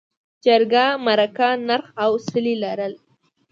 جرګه، مرکه، نرخ او څلي لرل.